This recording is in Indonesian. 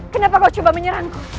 kenapa kau coba menyerangku